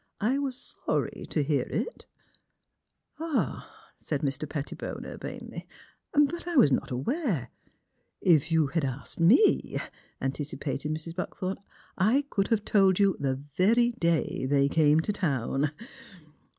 I was sorry to hear it.'' '' Ahl " said Mr. Pettibone urbanely. " But I was not aware "*' If you had asked me/' anticipated Mrs. Buck thorn, *' I could have told you the very day they came to town."